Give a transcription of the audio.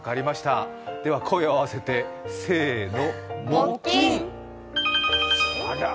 では声を合わせてせーの。